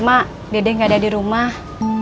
mak dede gak ada di rumah